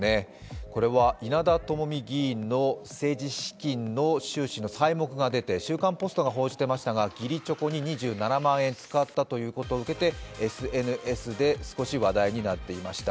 これは稲田朋美議員の政治資金の収支の細目が出て「週刊ポスト」が報じていましたが義理チョコに２７万円使ったということを受けてＳＮＳで少し話題になっていました。